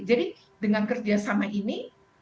jadi dengan kerjasama ini